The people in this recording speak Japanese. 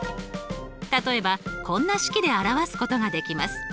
例えばこんな式で表すことができます。